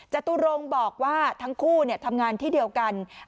จตุรงค์บอกว่าทั้งคู่ทำงานที่เดียวกัน